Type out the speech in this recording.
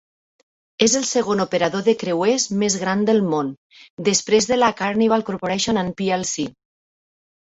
És el segon operador de creuers més gran del món, després de la Carnival Corporation and plc.